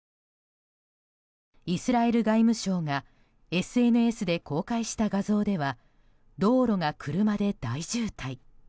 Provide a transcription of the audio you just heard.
イスラエル外務省がＳＮＳで公開した画像では道路が車で大渋滞。